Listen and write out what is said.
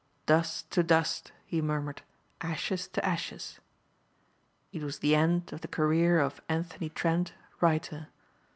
"Dust to dust," he murmured, "ashes to ashes!" It was the end of the career of Anthony Trent, writer.